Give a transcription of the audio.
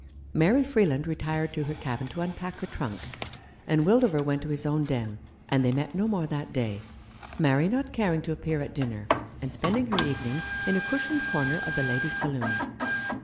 Mary Freeland retired to her cabin to unpack her trunk, and Wildover went to his own den, and they met no more that day, Mary not caring to appear at dinner, and spending her evening in a cushioned corner of the ladies' saloon.